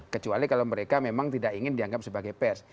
kecuali kalau mereka memang tidak ingin dianggap sebagai pers